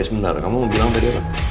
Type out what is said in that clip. oke sebentar kamu mau bilang ke dia apa